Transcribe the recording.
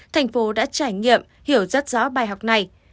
thành phố đã trải nghiệm hiểu rất rõ bài học này